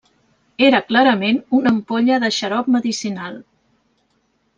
Era clarament una ampolla de xarop medicinal!